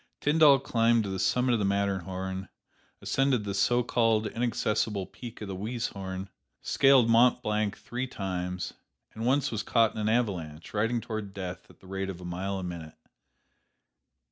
Tyndall climbed to the summit of the Matterhorn, ascended the so called inaccessible peak of the Weisshorn, scaled Mont Blanc three times, and once was caught in an avalanche, riding toward death at the rate of a mile a minute.